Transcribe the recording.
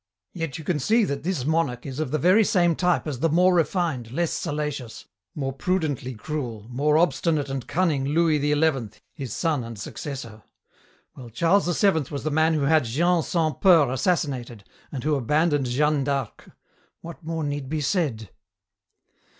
Yet you can see that this monarch is of the very same type as the more refined, less salacious, more prudently cruel, more obstinate and cunning Louis XI, his son and successor. Well, Charles VII was the man who had Jean Sans Peur assassinated, and who abandoned Jeanne d'Arc. What more need be said?"